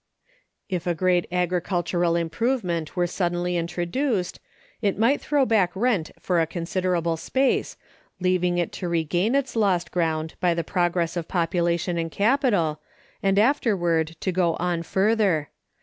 If a great agricultural improvement were suddenly introduced, it might throw back rent for a considerable space, leaving it to regain its lost ground by the progress of population and capital, and afterward to go on further.